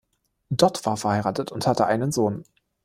Dott war verheiratet und hatte einen Sohn.